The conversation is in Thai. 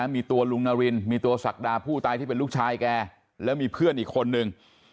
มีตัวลุงนารินมีตัวศักดาผู้ตายที่เป็นลูกชายแกแล้วมีเพื่อนอีกคนนึง